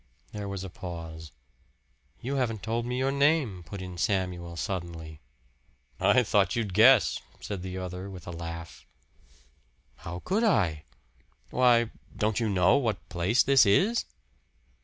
There was a pause. "You haven't told me your name," put in Samuel suddenly. "I thought you'd guess," said the other with a laugh. "How could I?" "Why don't you know what place this is?"